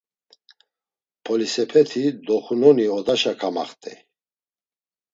Polisepeti doxunoni odaşa kamaxt̆ey.